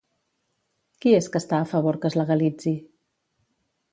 Qui és que està a favor que es legalitzi?